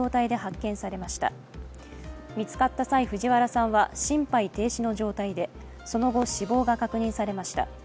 見つかった際、藤原さんは心肺停止の状態でその後、死亡が確認されました。